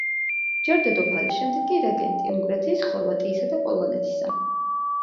ჯერ დედოფალი, შემდეგ კი რეგენტი უნგრეთის, ხორვატიისა და პოლონეთისა.